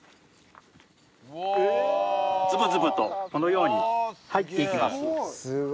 ズブズブとこのように入っていきます。